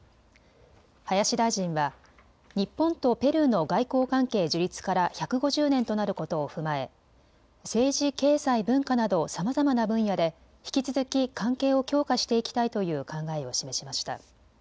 林大臣は日本とペルーの外交関係樹立から１５０年となることを踏まえ政治、経済、文化などさまざまな分野で引き続き関係を強化していきたいという考えを示しました。